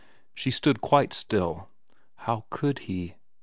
She stood quite still. How could he.